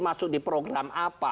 masuk di program apa